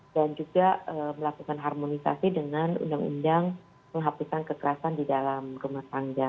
dan juga melakukan harmonisasi dengan undang undang penghapusan kekerasan di dalam rumah tangga